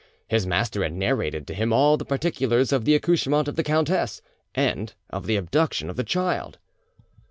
His master had narrated to him all the particulars of the accouchement of the countess and of the abduction of the child.